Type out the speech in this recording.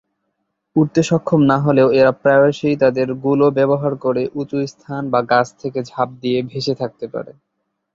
উড়তে সক্ষম না হলেও এরা প্রায়শই তাদের গুলো ব্যবহার করে উঁচু স্থান বা গাছ থেকে ঝাঁপ দিয়ে ভেসে থাকতে পারে।